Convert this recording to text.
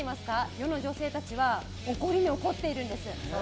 世の女性たちは怒りに怒っているんです。